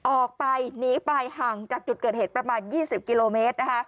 ออกไปหนีไปห่างจากจุดเกิดเหตุประมาณ๒๐กิโลเมตร